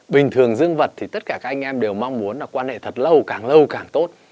bình thường dương vật thì tất cả các anh em đều mong muốn là quan hệ thật lâu càng lâu càng tốt